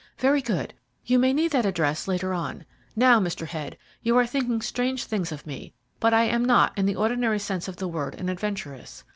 "Very good. You may need that address later on. Now, Mr. Head, you are thinking strange things of me, but I am not, in the ordinary sense of the word, an adventuress.